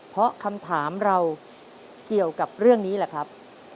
เพราะคำถามเราเกี่ยวกับเรื่องนี้แหละครับ